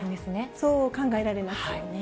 そう考えられますよね。